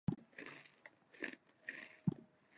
Most of the streets on the island have Italianate names.